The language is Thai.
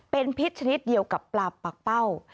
เป็นพิษชนิดเดียวกับปลาปากเป้า